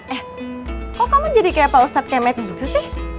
eh kok kamu jadi kayak pak ustadz kemet gitu sih